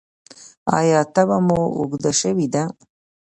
ایا تبه مو اوږده شوې ده؟